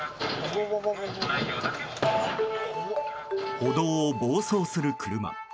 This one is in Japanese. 歩道を暴走する車。